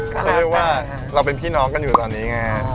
เรียกได้ว่าเราเป็นพี่น้องกันอยู่ตอนนี้ไง